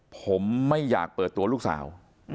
ผมไม่อยากเปิดตัวลูกสาว